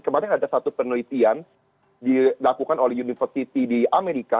kemarin ada satu penelitian dilakukan oleh university di amerika